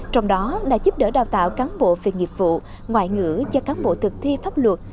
trong đó là giúp đỡ đào tạo cán bộ về nghiệp vụ ngoại ngữ cho cán bộ thực thi pháp luật